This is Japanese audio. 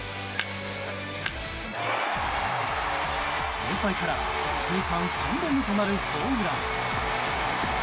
先輩から通算３本目となるホームラン。